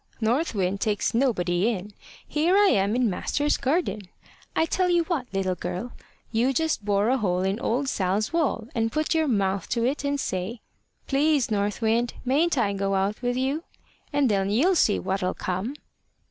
North Wind takes nobody in! Here I am in master's garden! I tell you what, little girl, you just bore a hole in old Sal's wall, and put your mouth to it, and say, 'Please, North Wind, mayn't I go out with you?' and then you'll see what'll come."